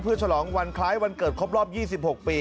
ฉลองวันคล้ายวันเกิดครบรอบ๒๖ปี